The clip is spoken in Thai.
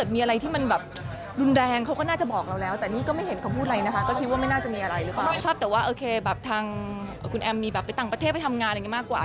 ไม่ได้เซาอะไรแบบนี้เลยเพราะว่าก็คือโตกันแล้ว